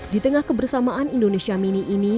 di tengah kebersamaan indonesia mini ini